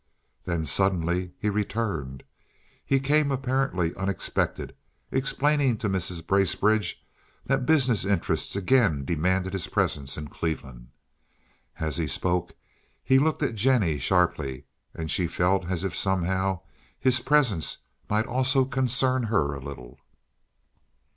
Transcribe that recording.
Then, suddenly, he returned. He came apparently unexpectedly, explaining to Mrs. Bracebridge that business interests again demanded his presence in Cleveland. As he spoke he looked at Jennie sharply, and she felt as if somehow his presence might also concern her a little.